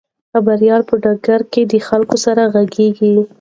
خبریال په ډګر کې د خلکو سره غږیږي.